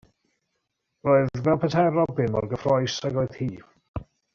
Roedd fel petai'r robin mor gyffrous ag oedd hi.